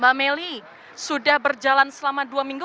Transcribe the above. mbak melly sudah berjalan selama dua minggu